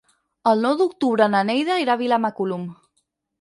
El nou d'octubre na Neida anirà a Vilamacolum.